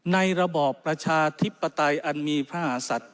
ในระบอบประชาธิปไตยอันมีพระหาสัตว์